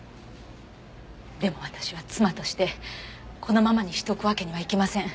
でも私は妻としてこのままにしておくわけにはいきません。